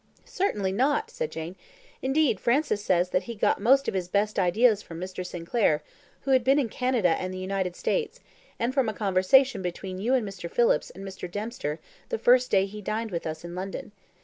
"Certainly not," said Jane; "indeed, Francis says that he got most of his best ideas from Mr. Sinclair, who had been in Canada and the United States, and from a conversation between you and Mr. Phillips and Mr. Dempster the first day he dined with us in London.